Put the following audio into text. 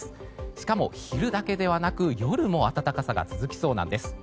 しかも昼だけではなく夜も暖かさが続きそうなんです。